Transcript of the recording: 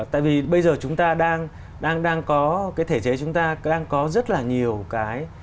tại vì bây giờ chúng ta đang có cái thể chế chúng ta đang có rất là nhiều cái